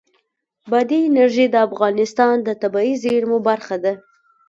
بادي انرژي د افغانستان د طبیعي زیرمو برخه ده.